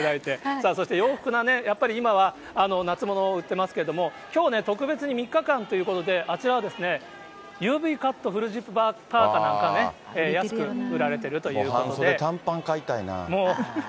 さあそして洋服がね、今は夏物を売ってますけども、きょう、特別に３日間ということで、あちらはＵＶカットフルジップパーカーなんか、安く売られている半袖短パン買いたいな。